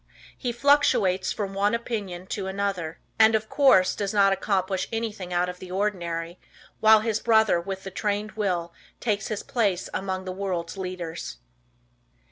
He fluctuates from one opinion to another, and of course does not accomplish anything out of the ordinary, while his brother with the trained will takes his place among the world's leaders.